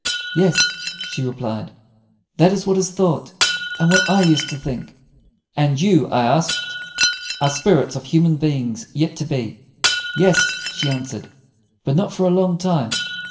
"Yes," she replied; "that is what is thought, and what I used to think." "And you," I asked, "are spirits of human beings yet to be?" "Yes," she answered; "but not for a long time.